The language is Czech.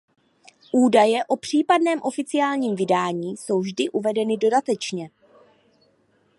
Údaje o případném oficiálním vydání jsou vždy uvedeny dodatečně.